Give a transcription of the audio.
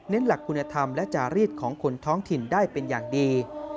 หลักคุณธรรมและจารีสของคนท้องถิ่นได้เป็นอย่างดี